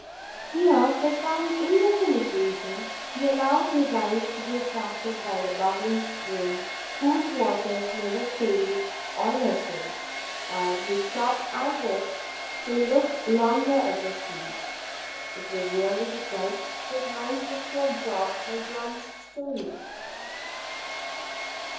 Here, for some indefinite reason, he allowed his eyes to be attracted by the bubbling spring whose waters never failed or lessened, and he stopped as if to look longer at the scene; it was really because his mind was so absorbed by John's story.